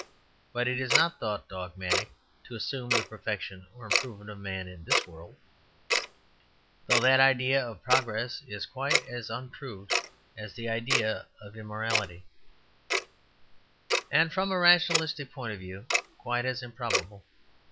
But it is not thought "dogmatic" to assume the perfection or improvement of man in this world; though that idea of progress is quite as unproved as the idea of immortality, and from a rationalistic point of view quite as improbable.